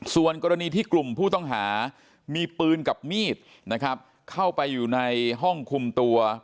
ส่วนกรณีที่กลุ่มผู้ต้องหามีปืนกับมีดนะครับเข้าไปอยู่ในห้องคุมตัว